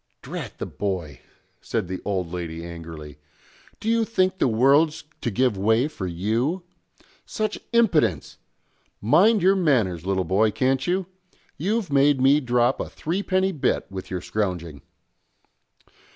"Drat the boy!" said the old lady angrily. "Do you think the world's to give way for you? Such impidence! Mind your manners, little boy, can't you? You've made me drop a threepenny bit with your scrouging!"